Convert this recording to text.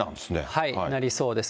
なりそうです。